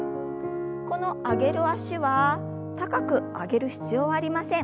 この上げる脚は高く上げる必要はありません。